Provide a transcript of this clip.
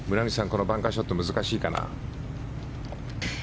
このバンカーショット難しいかな？